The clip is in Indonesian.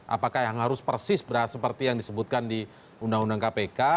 apakah yang harus persis seperti yang disebutkan di undang undang kpk